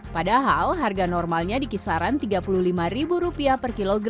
padahal harga normalnya di kisaran rp tiga puluh lima